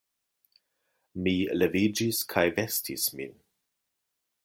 Mi leviĝis kaj vestis min.